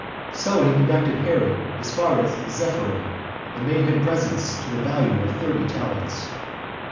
So he conducted Herod as far as Zephyrium, and made him presents to the value of thirty talents.